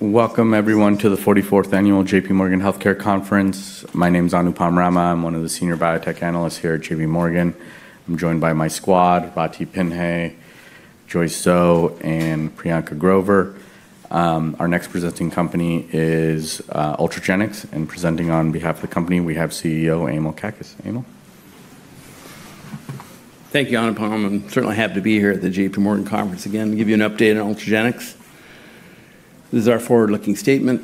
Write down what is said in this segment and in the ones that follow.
Welcome, everyone, to the 44th Annual J.P. Morgan Healthcare Conference. My name is Anupam Rama. I'm one of the Senior Biotech Analysts here at J.P. Morgan. I'm joined by my squad, Ratih Pinhey, Joyce Soh, and Priyanka Grover. Our next presenting company is Ultragenyx, and presenting on behalf of the company, we have CEO Emil Kakkis. Emil? Thank you, Anupam. I'm certainly happy to be here at the J.P. Morgan Conference again to give you an update on Ultragenyx. This is our forward-looking statement.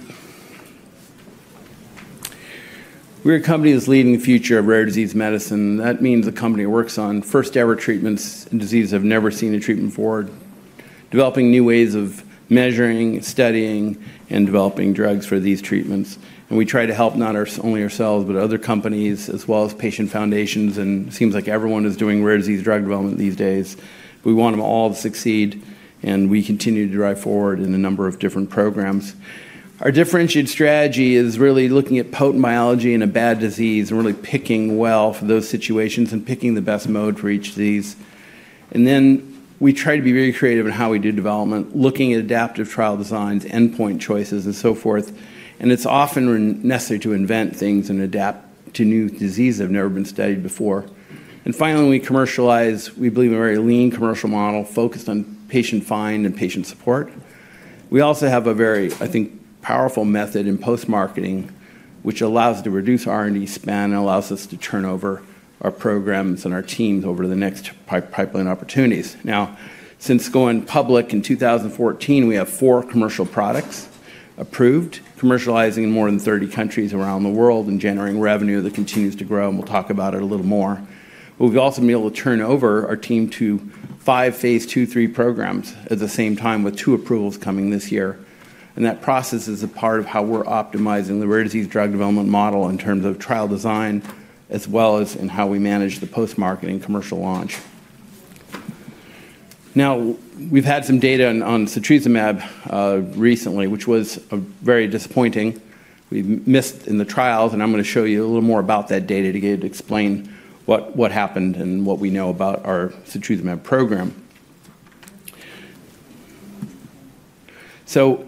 We're a company that's leading the future of rare disease medicine. That means the company works on first-ever treatments in diseases I've never seen a treatment for, developing new ways of measuring, studying, and developing drugs for these treatments, and we try to help not only ourselves, but other companies, as well as patient foundations, and it seems like everyone is doing rare disease drug development these days. We want them all to succeed, and we continue to drive forward in a number of different programs. Our differentiated strategy is really looking at potent biology in a bad disease and really picking well for those situations and picking the best mode for each disease. And then we try to be very creative in how we do development, looking at adaptive trial designs, endpoint choices, and so forth. And it's often necessary to invent things and adapt to new diseases that have never been studied before. And finally, we commercialize. We believe in a very lean commercial model focused on patient find and patient support. We also have a very, I think, powerful method in post-marketing, which allows us to reduce R&D spend and allows us to turn over our programs and our teams over to the next pipeline opportunities. Now, since going public in 2014, we have four commercial products approved, commercializing in more than 30 countries around the world and generating revenue that continues to grow, and we'll talk about it a little more. But we've also been able to turn over our team to five Phase 2, 3 programs at the same time, with two approvals coming this year. And that process is a part of how we're optimizing the rare disease drug development model in terms of trial design, as well as in how we manage the post-market and commercial launch. Now, we've had some data on setrusumab recently, which was very disappointing. We missed in the trials, and I'm going to show you a little more about that data to get it to explain what happened and what we know about our setrusumab program. So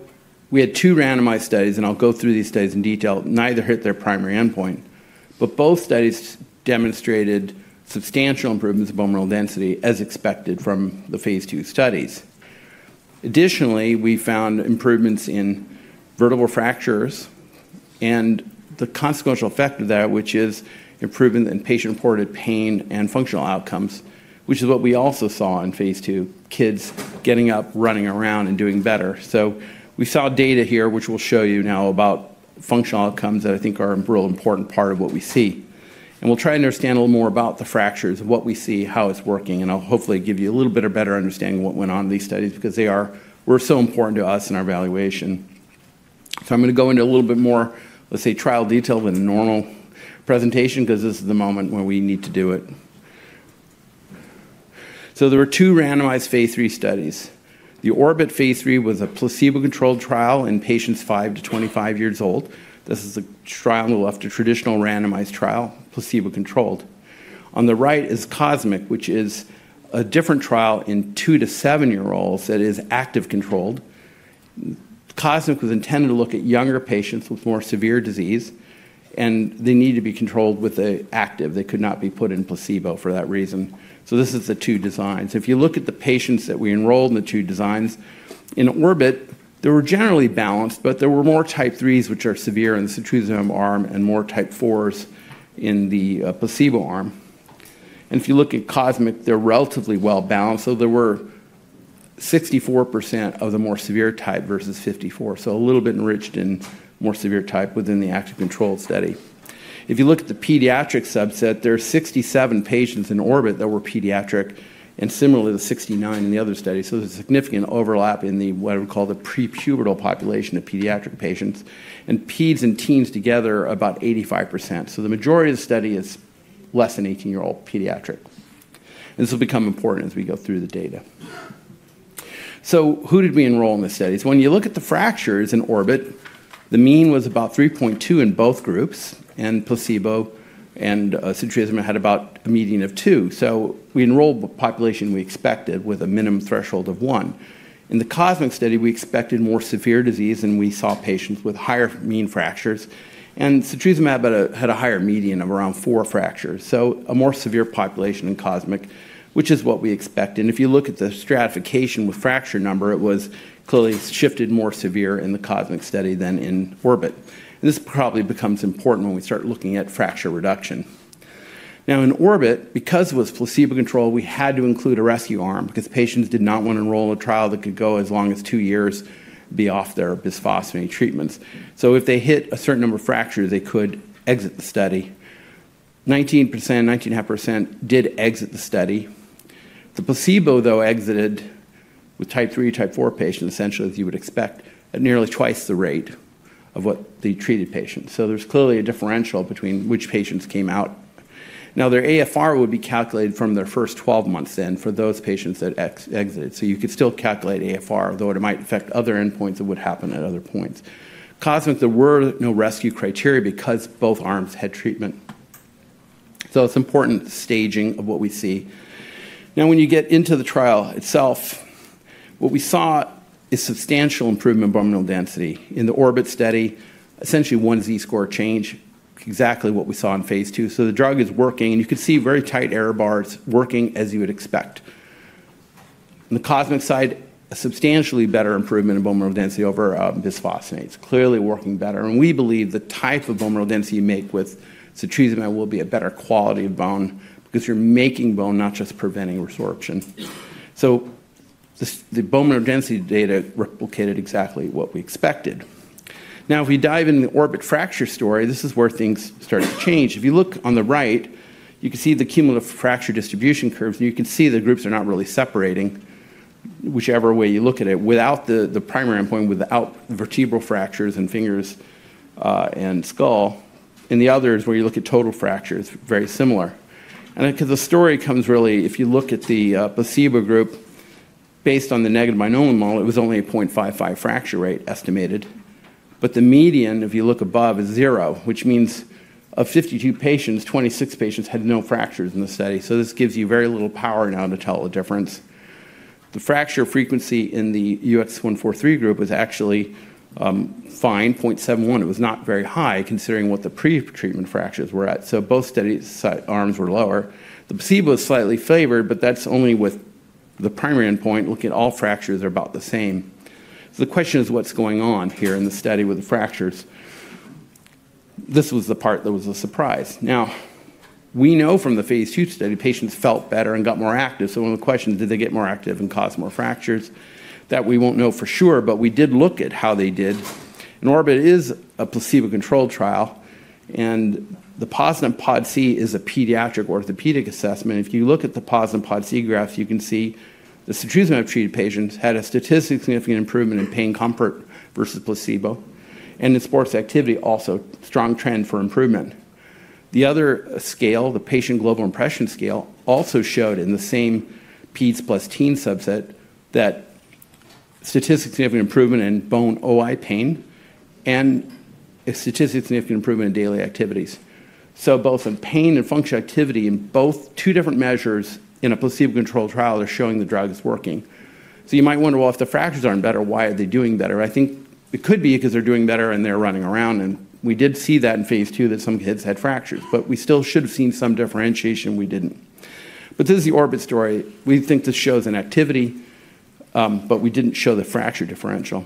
we had two randomized studies, and I'll go through these studies in detail. Neither hit their primary endpoint, but both studies demonstrated substantial improvements in bone mineral density, as expected from the Phase 2 studies. Additionally, we found improvements in vertebral fractures and the consequential effect of that, which is improvement in patient-reported pain and functional outcomes, which is what we also saw in Phase 2, kids getting up, running around, and doing better, so we saw data here, which we'll show you now, about functional outcomes that I think are a real important part of what we see, and we'll try to understand a little more about the fractures, what we see, how it's working, and I'll hopefully give you a little bit of better understanding of what went on in these studies because they were so important to us in our evaluation, so I'm going to go into a little bit more, let's say, trial detail than a normal presentation because this is the moment where we need to do it, so there were two randomized Phase 3 studies. The Orbit Phase 3 was a placebo-controlled trial in patients five to 25 years old. This is a trial on the left of a traditional randomized trial, placebo-controlled. On the right is COSMIC, which is a different trial in two to seven-year-olds that is active-controlled. COSMIC was intended to look at younger patients with more severe disease, and they needed to be controlled with the active. They could not be put in placebo for that reason. So this is the two designs. If you look at the patients that we enrolled in the two designs, in Orbit, they were generally balanced, but there were more Type 3s, which are severe in the setrusumab arm, and more Type 4s in the placebo arm. And if you look at COSMIC, they're relatively well-balanced. There were 64% of the more severe type versus 54%, so a little bit enriched in more severe type within the active-controlled study. If you look at the pediatric subset, there are 67 patients in Orbit that were pediatric, and similarly, there were 69 in the other study. So there's a significant overlap in what we call the pre-pubertal population of pediatric patients, and peds and teens together are about 85%. So the majority of the study is less than 18-year-old pediatric. And this will become important as we go through the data. So who did we enroll in the studies? When you look at the fractures in Orbit, the mean was about 3.2 in both groups, and placebo and setrusumab had about a median of two. So we enrolled the population we expected with a minimum threshold of one. In the COSMIC study, we expected more severe disease, and we saw patients with higher mean fractures. setrusumab had a higher median of around four fractures, so a more severe population in COSMIC, which is what we expected. If you look at the stratification with fracture number, it was clearly shifted more severe in the COSMIC study than in Orbit. This probably becomes important when we start looking at fracture reduction. Now, in Orbit, because it was placebo-controlled, we had to include a rescue arm because patients did not want to enroll in a trial that could go as long as two years and be off their bisphosphonate treatments. So if they hit a certain number of fractures, they could exit the study. 19%, 19.5% did exit the study. The placebo, though, exited with Type 3 or Type 4 patients, essentially, as you would expect, at nearly twice the rate of what the treated patients. So there's clearly a differential between which patients came out. Now, their AFR would be calculated from their first 12 months in for those patients that exited. So you could still calculate AFR, though it might affect other endpoints that would happen at other points. COSMIC, there were no rescue criteria because both arms had treatment. So it's important staging of what we see. Now, when you get into the trial itself, what we saw is substantial improvement in bone mineral density. In the Orbit study, essentially, one z-score changed exactly what we saw in Phase 2. So the drug is working, and you can see very tight error bars working as you would expect. On the COSMIC side, a substantially better improvement in bone mineral density over bisphosphonates, clearly working better. We believe the type of bone mineral density you make with setrusumab will be a better quality of bone because you're making bone, not just preventing resorption. The bone mineral density data replicated exactly what we expected. Now, if we dive into the Orbit fracture story, this is where things start to change. If you look on the right, you can see the cumulative fracture distribution curves, and you can see the groups are not really separating, whichever way you look at it, without the primary endpoint, without vertebral fractures and fingers and skull. In the others, where you look at total fractures, very similar. Because the story comes really, if you look at the placebo group, based on the negative binomial model, it was only a 0.55 fracture rate estimated. But the median, if you look above, is zero, which means of 52 patients, 26 patients had no fractures in the study. So this gives you very little power now to tell the difference. The fracture frequency in the UX143 group was actually fine, 0.71. It was not very high, considering what the pre-treatment fractures were at. So both arms were lower. The placebo was slightly favored, but that's only with the primary endpoint. Looking at all fractures, they're about the same. So the question is, what's going on here in the study with the fractures? This was the part that was a surprise. Now, we know from the Phase 2 study, patients felt better and got more active. One of the questions is, did they get more active and cause more fractures? That we won't know for sure, but we did look at how they did. Orbit is a placebo-controlled trial, and the POSNA-PODCI is a pediatric orthopedic assessment. If you look at the POSNA-PODCI graphs, you can see the setrusumab-treated patients had a statistically significant improvement in pain comfort versus placebo. And in sports activity, also strong trend for improvement. The other scale, the Patient Global Impression Scale, also showed in the same peds plus teen subset that statistically significant improvement in bone OI pain and statistically significant improvement in daily activities. So both in pain and functional activity, in both two different measures in a placebo-controlled trial, they're showing the drug is working. So you might wonder, well, if the fractures aren't better, why are they doing better? I think it could be because they're doing better and they're running around, and we did see that in Phase 2 that some kids had fractures, but we still should have seen some differentiation. We didn't, but this is the Orbit story. We think this shows in activity, but we didn't show the fracture differential,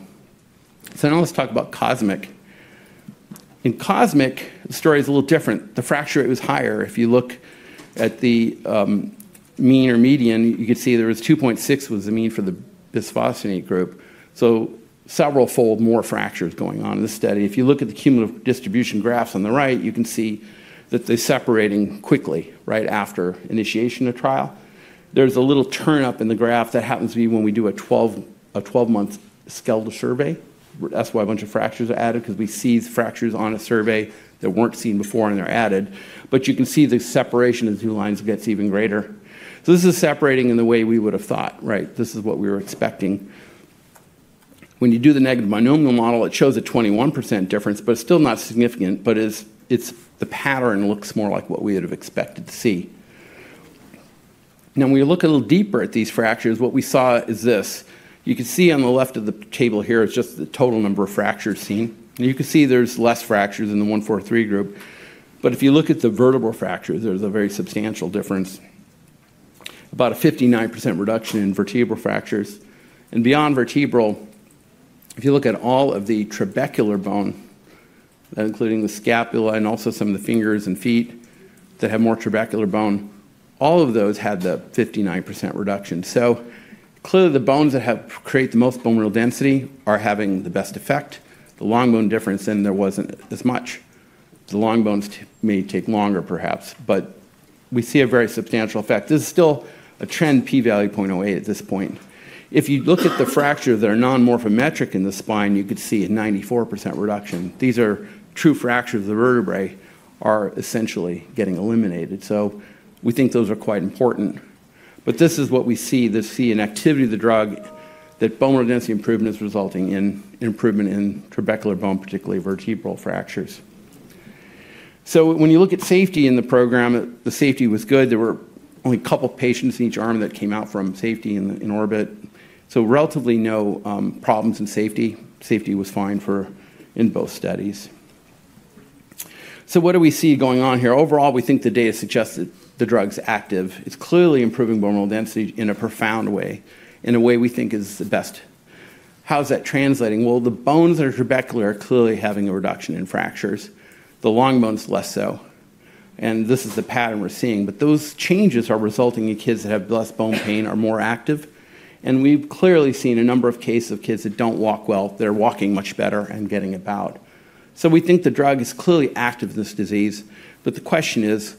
so now let's talk about COSMIC. In COSMIC, the story is a little different. The fracture rate was higher. If you look at the mean or median, you can see there was 2.6, which was the mean for the bisphosphonate group. So several-fold more fractures going on in this study. If you look at the cumulative distribution graphs on the right, you can see that they're separating quickly right after initiation of trial. There's a little turn-up in the graph that happens to be when we do a 12-month skeletal survey. That's why a bunch of fractures are added, because we see fractures on a survey that weren't seen before and they're added. But you can see the separation of the two lines gets even greater. So this is separating in the way we would have thought, right? This is what we were expecting. When you do the negative binomial model, it shows a 21% difference, but it's still not significant. But the pattern looks more like what we would have expected to see. Now, when you look a little deeper at these fractures, what we saw is this. You can see on the left of the table here, it's just the total number of fractures seen. And you can see there's less fractures in the 143 group. But if you look at the vertebral fractures, there's a very substantial difference, about a 59% reduction in vertebral fractures. Beyond vertebral, if you look at all of the trabecular bone, including the scapula and also some of the fingers and feet that have more trabecular bone, all of those had the 59% reduction. Clearly, the bones that create the most bone mineral density are having the best effect. The long bone difference, then there wasn't this much. The long bones may take longer, perhaps, but we see a very substantial effect. This is still a trend p-value 0.08 at this point. If you look at the fractures that are non-morphometric in the spine, you could see a 94% reduction. These are true fractures of the vertebrae that are essentially getting eliminated. We think those are quite important. This is what we see. This is the activity of the drug that bone mineral density improvement is resulting in improvement in trabecular bone, particularly vertebral fractures. So when you look at safety in the program, the safety was good. There were only a couple of patients in each arm that came out from safety in Orbit. So relatively no problems in safety. Safety was fine in both studies. So what do we see going on here? Overall, we think the data suggests that the drug's active. It's clearly improving bone mineral density in a profound way, in a way we think is the best. How is that translating? Well, the bones that are trabecular are clearly having a reduction in fractures. The long bones, less so. And this is the pattern we're seeing. But those changes are resulting in kids that have less bone pain and are more active. And we've clearly seen a number of cases of kids that don't walk well. They're walking much better and getting about. We think the drug is clearly active in this disease. But the question is,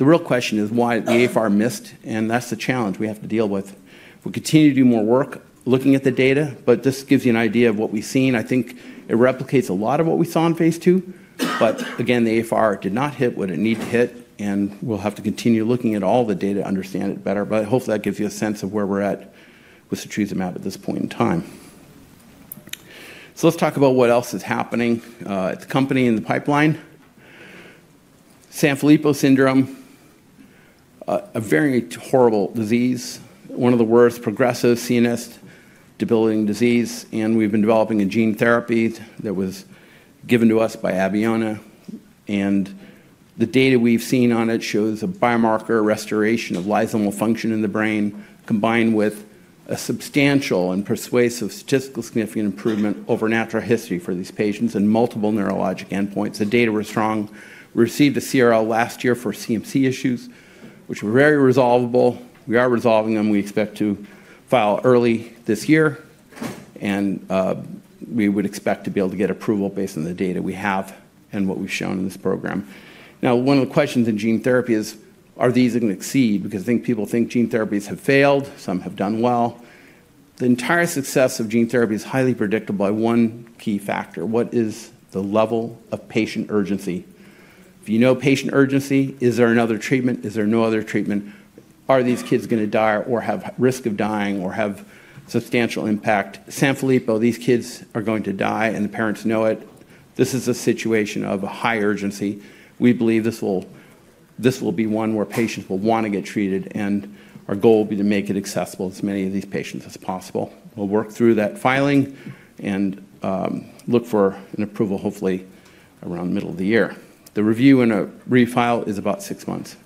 the real question is, why did the AFR miss? And that's the challenge we have to deal with. We continue to do more work looking at the data, but this gives you an idea of what we've seen. I think it replicates a lot of what we saw in Phase 2. But again, the AFR did not hit what it needed to hit, and we'll have to continue looking at all the data to understand it better. But hopefully, that gives you a sense of where we're at with setrusumab at this point in time. Let's talk about what else is happening at the company in the pipeline. Sanfilippo syndrome, a very horrible disease, one of the worst, progressive, insidious, debilitating disease. We've been developing a gene therapy that was given to us by Abeona. The data we've seen on it shows a biomarker restoration of lysosomal function in the brain, combined with a substantial and persuasive statistically significant improvement over natural history for these patients and multiple neurologic endpoints. The data were strong. We received a CRL last year for CMC issues, which were very resolvable. We are resolving them. We expect to file early this year. We would expect to be able to get approval based on the data we have and what we've shown in this program. Now, one of the questions in gene therapy is, are these going to succeed? Because I think people think gene therapies have failed. Some have done well. The entire success of gene therapy is highly predictable by one key factor. What is the level of patient urgency? If you know patient urgency, is there another treatment? Is there no other treatment? Are these kids going to die or have risk of dying or have substantial impact? Sanfilippo, these kids are going to die, and the parents know it. This is a situation of high urgency. We believe this will be one where patients will want to get treated, and our goal will be to make it accessible to as many of these patients as possible. We'll work through that filing and look for an approval, hopefully, around the middle of the year. The review and a refile is about six months.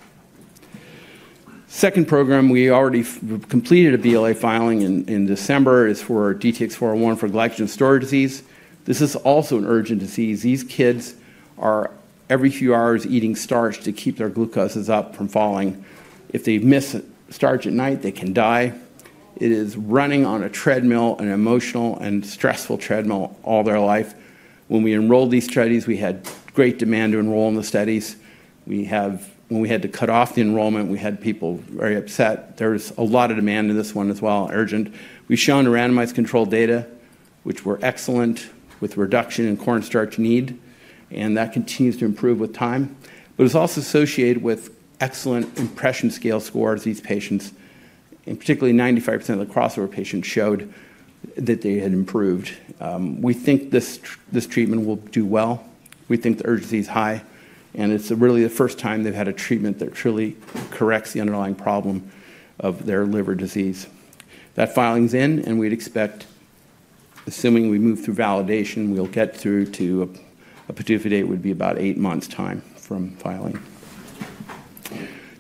Second program, we already completed a BLA filing in December. It's for DTX401 for glycogen storage disease. This is also an urgent disease. These kids are every few hours eating starch to keep their glucoses up from falling. If they miss cornstarch at night, they can die. It's like running on a treadmill, an emotional and stressful treadmill all their life. When we enrolled these studies, we had great demand to enroll in the studies. When we had to cut off the enrollment, we had people very upset. There was a lot of demand in this one as well, urgent. We've shown randomized controlled data, which were excellent with reduction in cornstarch need, and that continues to improve with time. It's also associated with excellent impression scale scores of these patients. And particularly, 95% of the crossover patients showed that they had improved. We think this treatment will do well. We think the urgency is high. It's really the first time they've had a treatment that truly corrects the underlying problem of their liver disease. That filing's in, and we'd expect, assuming we move through validation, we'll get through to a petition date would be about eight months' time from filing.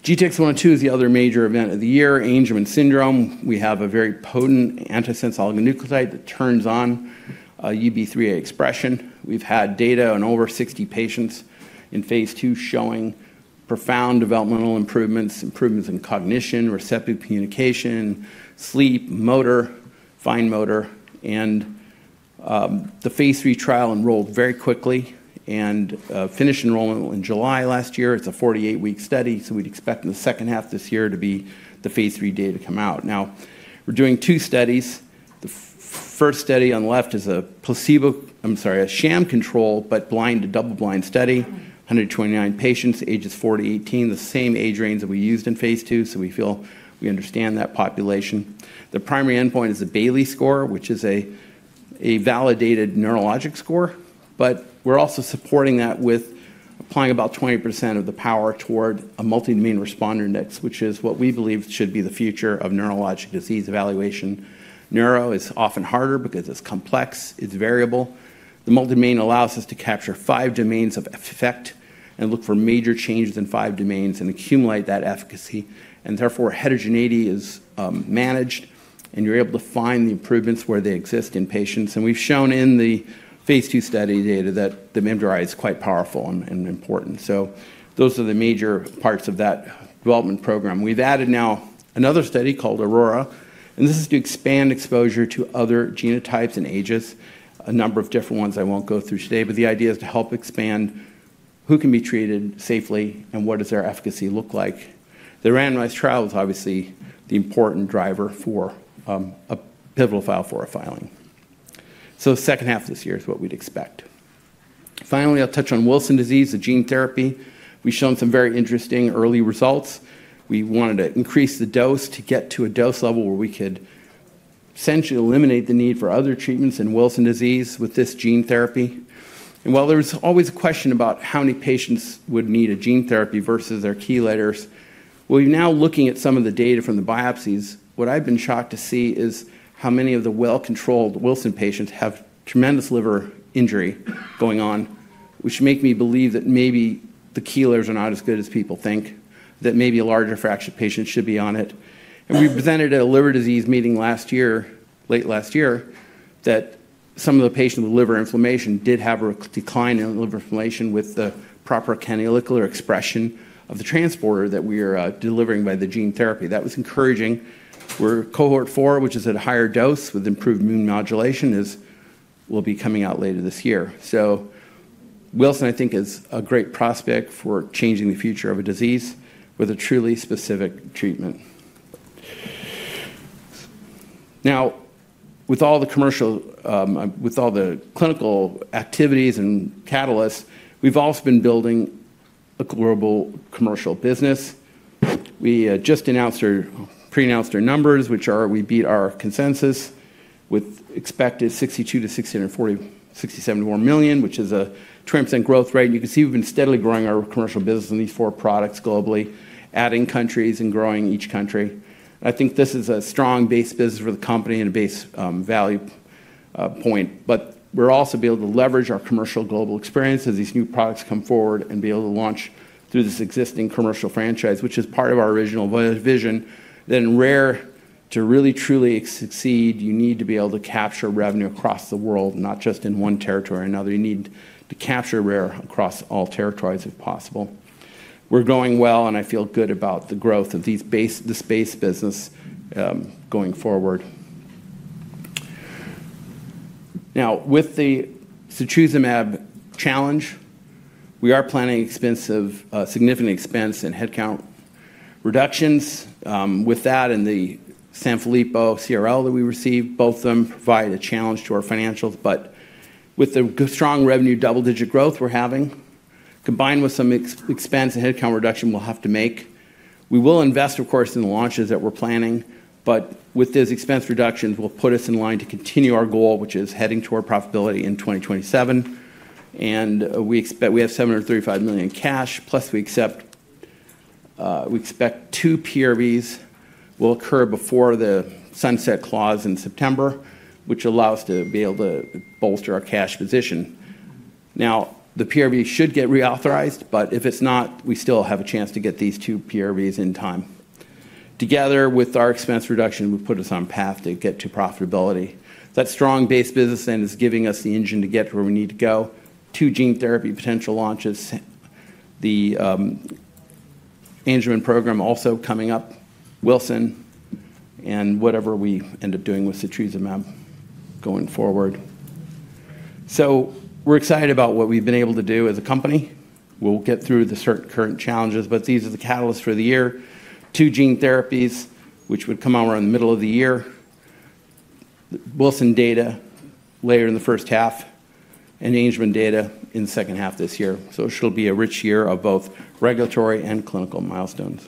GTX-102 is the other major event of the year, Angelman syndrome. We have a very potent antisense oligonucleotide that turns on UBE3A expression. We've had data on over 60 patients in Phase 2 showing profound developmental improvements, improvements in cognition, receptive communication, sleep, motor, fine motor. And the Phase 3 trial enrolled very quickly and finished enrollment in July last year. It's a 48-week study, so we'd expect in the second half of this year to be the Phase 3 data come out. Now, we're doing two studies. The first study on the left is a placebo, I'm sorry, a sham control, but blind to double-blind study, 129 patients, ages four to 18, the same age range that we used in Phase 2, so we feel we understand that population. The primary endpoint is a Bayley score, which is a validated neurologic score. But we're also supporting that with applying about 20% of the power toward a multi-domain responder index, which is what we believe should be the future of neurologic disease evaluation. Neuro is often harder because it's complex. It's variable. The multi-domain allows us to capture five domains of effect and look for major changes in five domains and accumulate that efficacy. And therefore, heterogeneity is managed, and you're able to find the improvements where they exist in patients. And we've shown in the Phase 2 study data that the MDRI is quite powerful and important. Those are the major parts of that development program. We've added now another study called Aurora. This is to expand exposure to other genotypes and ages, a number of different ones I won't go through today. The idea is to help expand who can be treated safely and what does their efficacy look like. The randomized trial is obviously the important driver for a pivotal file for a filing. Second half of this year is what we'd expect. Finally, I'll touch on Wilson disease, the gene therapy. We've shown some very interesting early results. We wanted to increase the dose to get to a dose level where we could essentially eliminate the need for other treatments in Wilson disease with this gene therapy. While there was always a question about how many patients would need a gene therapy versus their chelators, well, now looking at some of the data from the biopsies, what I've been shocked to see is how many of the well-controlled Wilson patients have tremendous liver injury going on, which makes me believe that maybe the chelators are not as good as people think, that maybe a larger fraction of patients should be on it. We presented at a liver disease meeting last year, late last year, that some of the patients with liver inflammation did have a decline in liver inflammation with the proper canalicular expression of the transporter that we are delivering by the gene therapy. That was encouraging. We're cohort four, which is at a higher dose with improved immunomodulation, will be coming out later this year. Wilson disease, I think, is a great prospect for changing the future of a disease with a truly specific treatment. Now, with all the commercial, with all the clinical activities and catalysts, we've also been building a global commercial business. We just announced or pre-announced our numbers, which are we beat our consensus with expected $62 to $674 million, which is a 20% growth rate. And you can see we've been steadily growing our commercial business in these four products globally, adding countries and growing each country. I think this is a strong base business for the company and a base value point. We're also able to leverage our commercial global experience as these new products come forward and be able to launch through this existing commercial franchise, which is part of our original vision. To really, truly succeed, you need to be able to capture revenue across the world, not just in one territory or another. You need to capture rare across all territories if possible. We're going well, and I feel good about the growth of this base business going forward. Now, with the setrusumab challenge, we are planning significant expense and headcount reductions. With that and the Sanfilippo CRL that we received, both of them provide a challenge to our financials. But with the strong revenue double-digit growth we're having, combined with some expense and headcount reduction we'll have to make, we will invest, of course, in the launches that we're planning. But with these expense reductions, we'll put us in line to continue our goal, which is heading toward profitability in 2027. We expect we have $735 million in cash, plus we expect two PRVs will occur before the sunset clause in September, which allows us to be able to bolster our cash position. Now, the PRV should get reauthorized, but if it's not, we still have a chance to get these two PRVs in time. Together with our expense reduction, we've put us on a path to get to profitability. That strong base business then is giving us the engine to get to where we need to go. Two gene therapy potential launches, the Angelman program also coming up, Wilson, and whatever we end up doing with setrusumab going forward. We're excited about what we've been able to do as a company. We'll get through the current challenges, but these are the catalysts for the year. Two gene therapies, which would come out in the middle of the year, Wilson data later in the first half, and Angelman data in the second half this year, so it should be a rich year of both regulatory and clinical milestones,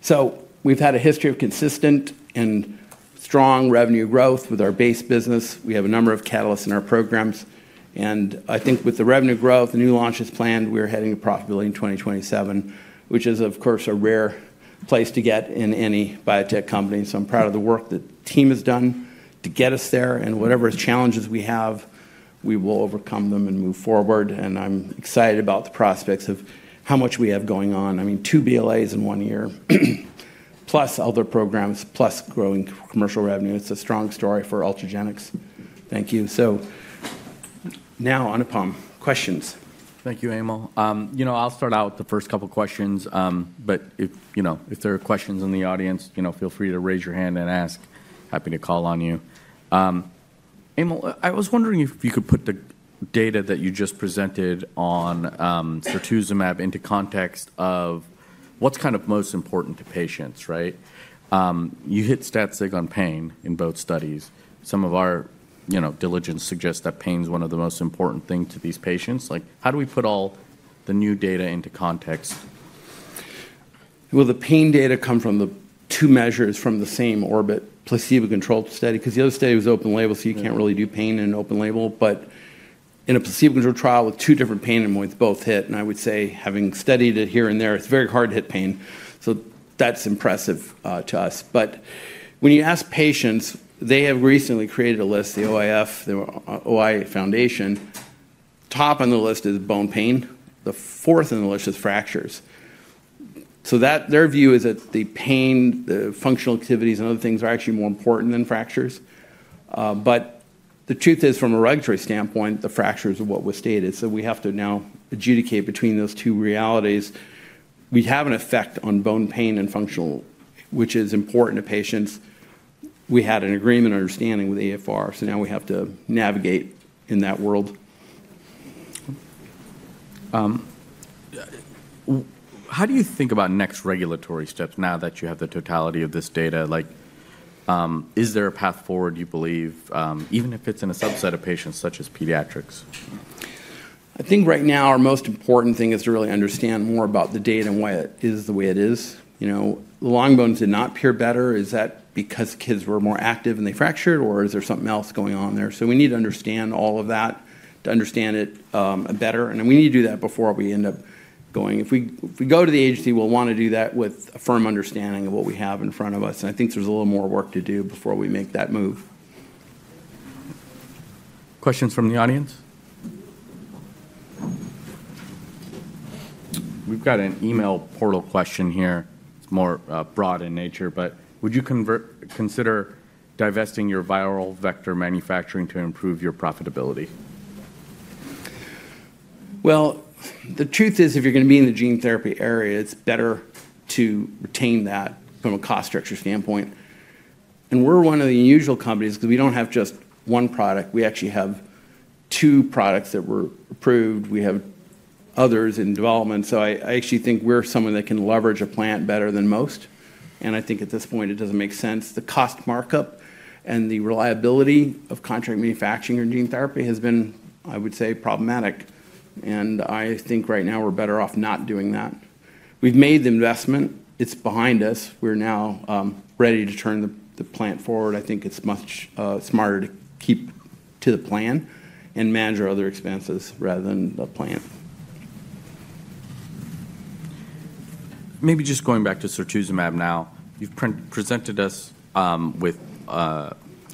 so we've had a history of consistent and strong revenue growth with our base business. We have a number of catalysts in our programs, and I think with the revenue growth, the new launches planned, we're heading to profitability in 2027, which is, of course, a rare place to get in any biotech company, so I'm proud of the work that the team has done to get us there, and whatever challenges we have, we will overcome them and move forward, and I'm excited about the prospects of how much we have going on. I mean, two BLAs in one year, plus other programs, plus growing commercial revenue. It's a strong story for Ultragenyx. Thank you. So now onto panel questions. Thank you, Emil. I'll start out with the first couple of questions. But if there are questions in the audience, feel free to raise your hand and ask. Happy to call on you. Emil, I was wondering if you could put the data that you just presented on setrusumab into context of what's kind of most important to patients, right? You hit stats on pain in both studies. Some of our diligence suggests that pain is one of the most important things to these patients. How do we put all the new data into context? Will the pain data come from the two measures from the same Orbit placebo-controlled study? Because the other study was open label, so you can't really do pain in an open label. But in a placebo-controlled trial with two different pain endpoints, both hit. And I would say, having studied it here and there, it's very hard to hit pain. So that's impressive to us. But when you ask patients, they have recently created a list, the OIF, the OI Foundation. Top on the list is bone pain. The fourth on the list is fractures. So their view is that the pain, the functional activities, and other things are actually more important than fractures. But the truth is, from a regulatory standpoint, the fractures are what were stated. So we have to now adjudicate between those two realities. We have an effect on bone pain and functional, which is important to patients. We had an agreement and understanding with AFR, so now we have to navigate in that world. How do you think about next regulatory steps now that you have the totality of this data? Is there a path forward, you believe, even if it's in a subset of patients such as pediatrics? I think right now, our most important thing is to really understand more about the data and why it is the way it is. Long bones did not appear better. Is that because kids were more active and they fractured, or is there something else going on there? So we need to understand all of that to understand it better, and we need to do that before we end up going. If we go to the agency, we'll want to do that with a firm understanding of what we have in front of us, and I think there's a little more work to do before we make that move. Questions from the audience? We've got an email portal question here. It's more broad in nature. But would you consider divesting your viral vector manufacturing to improve your profitability? Well, the truth is, if you're going to be in the gene therapy area, it's better to retain that from a cost structure standpoint. And we're one of the unusual companies because we don't have just one product. We actually have two products that were approved. We have others in development. So I actually think we're someone that can leverage a plant better than most. And I think at this point, it doesn't make sense. The cost markup and the reliability of contract manufacturing or gene therapy has been, I would say, problematic. And I think right now, we're better off not doing that. We've made the investment. It's behind us. We're now ready to turn the plant forward. I think it's much smarter to keep to the plan and manage our other expenses rather than the plant. Maybe just going back to setrusumab now, you've presented us with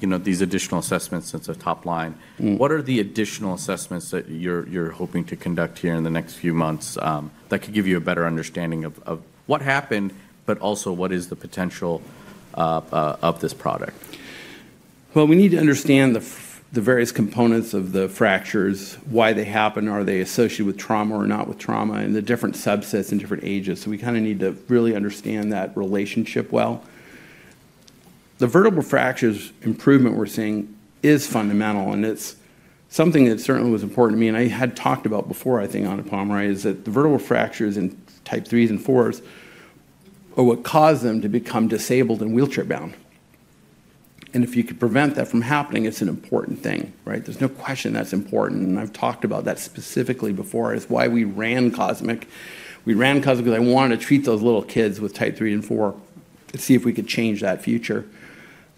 these additional assessments since the top line. What are the additional assessments that you're hoping to conduct here in the next few months that could give you a better understanding of what happened, but also what is the potential of this product? Well, we need to understand the various components of the fractures, why they happen, are they associated with trauma or not with trauma, and the different subsets and different ages. So we kind of need to really understand that relationship well. The vertebral fractures improvement we're seeing is fundamental, and it's something that certainly was important to me. I had talked about before, I think, on a panel, right, is that the vertebral fractures in Type 3s and 4s are what caused them to become disabled and wheelchair-bound. If you could prevent that from happening, it's an important thing, right? There's no question that's important. I've talked about that specifically before, is why we ran Cosmic. We ran Cosmic because I wanted to treat those little kids with Type 3 and 4 to see if we could change that future.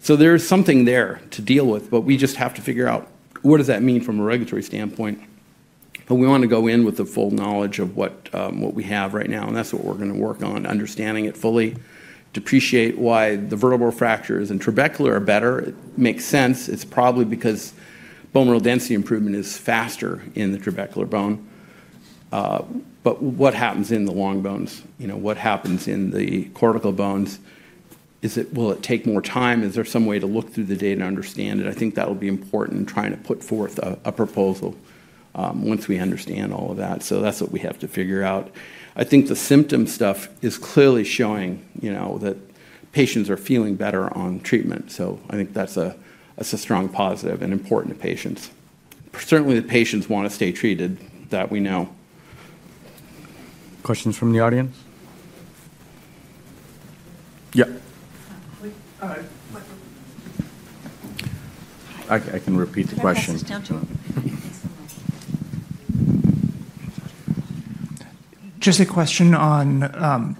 There is something there to deal with, but we just have to figure out what does that mean from a regulatory standpoint. We want to go in with the full knowledge of what we have right now, and that's what we're going to work on, understanding it fully, to appreciate why the vertebral fractures and trabecular are better. It makes sense. It's probably because bone mineral density improvement is faster in the trabecular bone. But what happens in the long bones? What happens in the cortical bones? Will it take more time? Is there some way to look through the data and understand it? I think that will be important in trying to put forth a proposal once we understand all of that. So that's what we have to figure out. I think the symptom stuff is clearly showing that patients are feeling better on treatment. So I think that's a strong positive and important to patients. Certainly, the patients want to stay treated, that we know. Questions from the audience? Yeah. I can repeat the question. Just a question on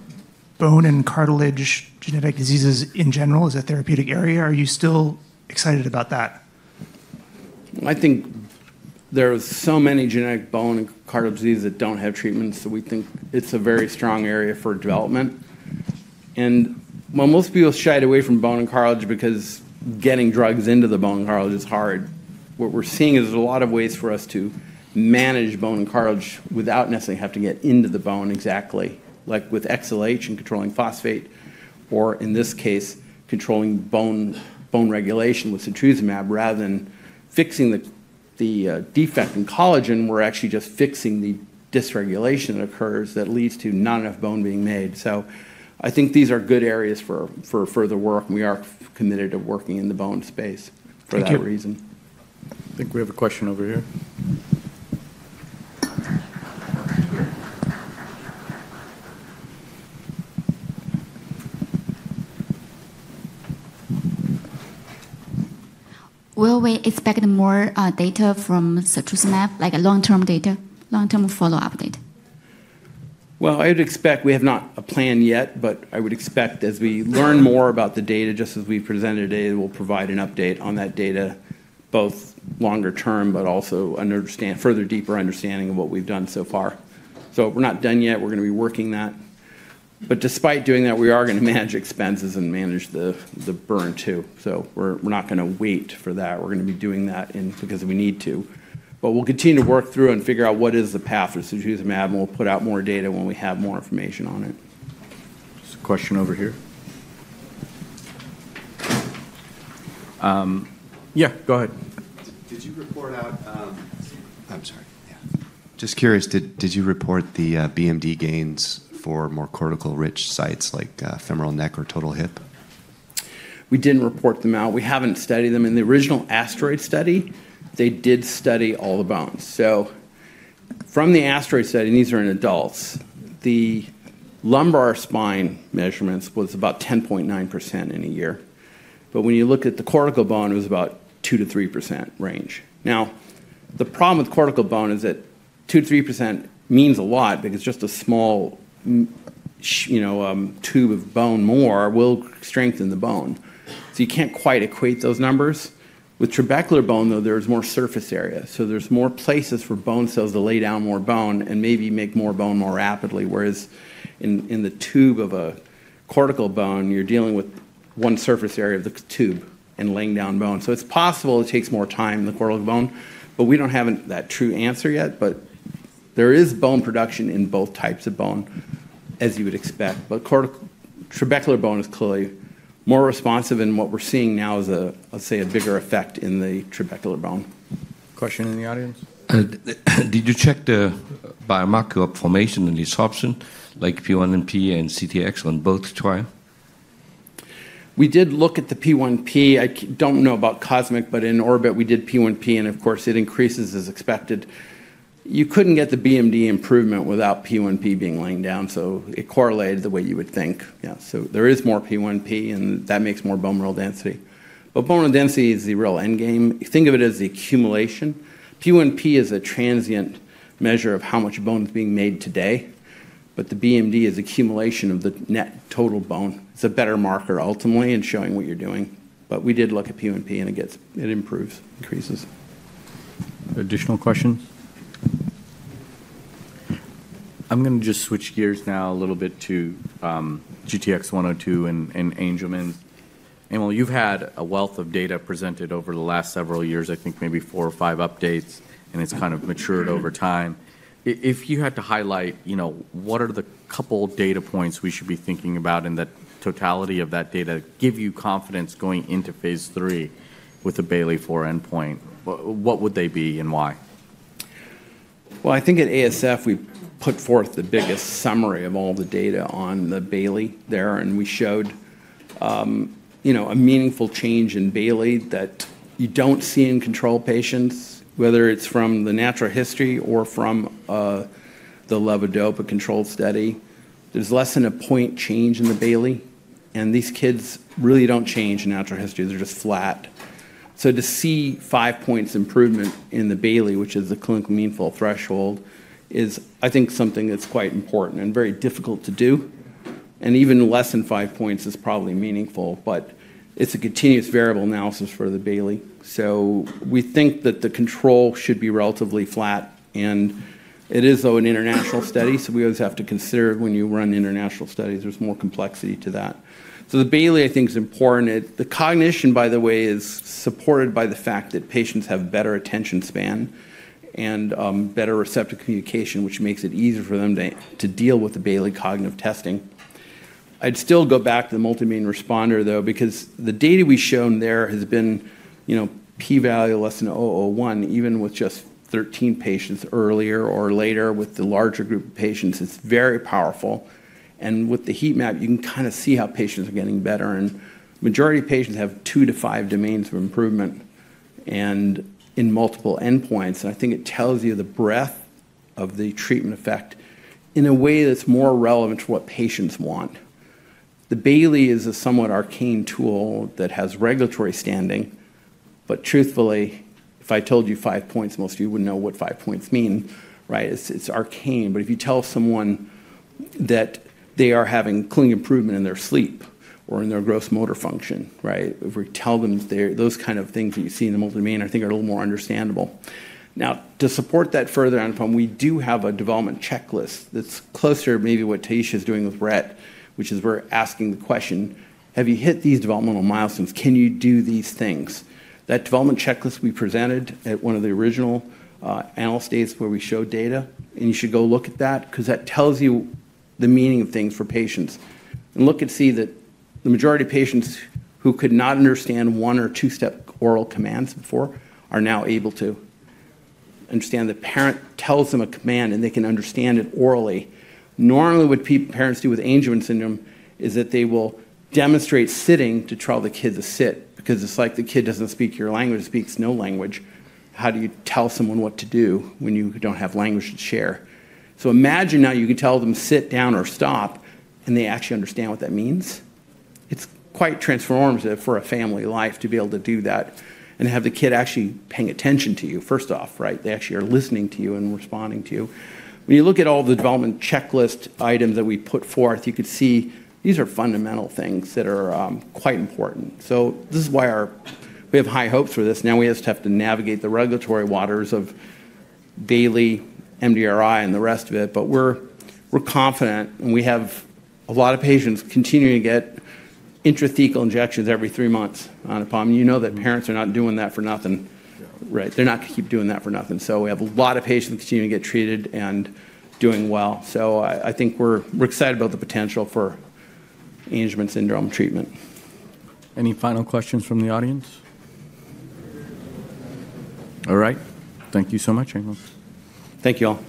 bone and cartilage genetic diseases in general as a therapeutic area. Are you still excited about that? I think there are so many genetic bone and cartilage diseases that don't have treatments, so we think it's a very strong area for development. And while most people shy away from bone and cartilage because getting drugs into the bone and cartilage is hard, what we're seeing is there's a lot of ways for us to manage bone and cartilage without necessarily having to get into the bone exactly, like with XLH and controlling phosphate, or in this case, controlling bone regulation with setrusumab rather than fixing the defect in collagen. We're actually just fixing the dysregulation that occurs that leads to not enough bone being made. So I think these are good areas for further work. We are committed to working in the bone space for that reason. Thank you. I think we have a question over here. Will we expect more data from setrusumab, like long-term data, long-term follow-up data? Well, I would expect we have not a plan yet, but I would expect as we learn more about the data, just as we presented today, we'll provide an update on that data, both longer-term, but also a further deeper understanding of what we've done so far. So we're not done yet. We're going to be working that. But despite doing that, we are going to manage expenses and manage the burn too. So we're not going to wait for that. We're going to be doing that because we need to. But we'll continue to work through and figure out what is the path for setrusumab, and we'll put out more data when we have more information on it. Just a question over here. Yeah, go ahead. Did you report out? I'm sorry. Yeah. Just curious, did you report the BMD gains for more cortical-rich sites like femoral neck or total hip? We didn't report them out. We haven't studied them. In the original ASTEROID study, they did study all the bones. So from the ASTEROID study, and these are in adults, the lumbar spine measurements was about 10.9% in a year. But when you look at the cortical bone, it was about 2%-3% range. Now, the problem with cortical bone is that 2%-3% means a lot because just a small tube of bone more will strengthen the bone. So you can't quite equate those numbers. With trabecular bone, though, there is more surface area. So there's more places for bone cells to lay down more bone and maybe make more bone more rapidly. Whereas in the tube of a cortical bone, you're dealing with one surface area of the tube and laying down bone. So it's possible it takes more time in the cortical bone, but we don't have that true answer yet. But there is bone production in both types of bone, as you would expect. But trabecular bone is clearly more responsive, and what we're seeing now is, let's say, a bigger effect in the trabecular bone. Question in the audience? Did you check the biomarker formation and disruption, like P1NP and CTX, on both trials? We did look at the P1NP. I don't know about COSMIC, but in Orbit, we did P1NP, and of course, it increases as expected. You couldn't get the BMD improvement without P1NP being laying down, so it correlated the way you would think. Yeah. So there is more P1NP, and that makes more bone mineral density. But bone mineral density is the real endgame. Think of it as the accumulation. P1NP is a transient measure of how much bone is being made today, but the BMD is accumulation of the net total bone. It's a better marker ultimately in showing what you're doing. But we did look at P1NP, and it improves, increases. Additional questions? I'm going to just switch gears now a little bit to GTX-102 and Angelman. Emil, you've had a wealth of data presented over the last several years, I think maybe four or five updates, and it's kind of matured over time. If you had to highlight, what are the couple data points we should be thinking about in the totality of that data to give you confidence going into Phase 3 with the Bayley IV endpoint? What would they be and why? Well, I think at ASF, we put forth the biggest summary of all the data on the Bayley there, and we showed a meaningful change in Bayley that you don't see in control patients, whether it's from the natural history or from the levodopa-controlled study. There's less than a point change in the Bayley, and these kids really don't change in natural history. They're just flat. So to see five points improvement in the Bayley, which is the clinical meaningful threshold, is, I think, something that's quite important and very difficult to do. And even less than five points is probably meaningful, but it's a continuous variable analysis for the Bayley. So we think that the control should be relatively flat, and it is, though, an international study, so we always have to consider when you run international studies, there's more complexity to that. So the Bayley, I think, is important. The cognition, by the way, is supported by the fact that patients have better attention span and better receptive communication, which makes it easier for them to deal with the Bayley cognitive testing. I'd still go back to the multi-domain responder, though, because the data we've shown there has been p-value less than 0.01, even with just 13 patients either earlier or later with the larger group of patients. It's very powerful. And with the heat map, you can kind of see how patients are getting better. And the majority of patients have two to five domains of improvement and in multiple endpoints. And I think it tells you the breadth of the treatment effect in a way that's more relevant to what patients want. The Bayley is a somewhat arcane tool that has regulatory standing. But truthfully, if I told you five points, most of you wouldn't know what five points mean, right? It's arcane. But if you tell someone that they are having clinical improvement in their sleep or in their gross motor function, right? If we tell them those kind of things that you see in the multi-domain, I think are a little more understandable. Now, to support that further on, we do have a development checklist that's closer to maybe what Taysha is doing with Rett, which is we're asking the question, "Have you hit these developmental milestones? Can you do these things?" That development checklist we presented at one of the original analyst days where we showed data, and you should go look at that because that tells you the meaning of things for patients. Look and see that the majority of patients who could not understand one or two-step oral commands before are now able to understand the parent tells them a command, and they can understand it orally. Normally, what parents do with Angelman syndrome is that they will demonstrate sitting to tell the kid to sit because it's like the kid doesn't speak your language. It speaks no language. How do you tell someone what to do when you don't have language to share? Imagine now you can tell them sit down or stop, and they actually understand what that means. It's quite transformative for a family life to be able to do that and have the kid actually paying attention to you, first off, right? They actually are listening to you and responding to you. When you look at all the development checklist items that we put forth, you could see these are fundamental things that are quite important. So this is why we have high hopes for this. Now we just have to navigate the regulatory waters of Bayley, MDRI, and the rest of it. But we're confident, and we have a lot of patients continuing to get intrathecal injections every three months on plan. You know that parents are not doing that for nothing, right? They're not going to keep doing that for nothing. So we have a lot of patients continuing to get treated and doing well. So I think we're excited about the potential for Angelman syndrome treatment. Any final questions from the audience? All right. Thank you so much, Emil. Thank you all.